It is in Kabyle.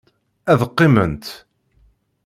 Ad qqiment.